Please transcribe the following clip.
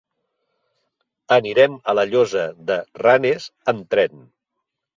Anirem a la Llosa de Ranes amb tren.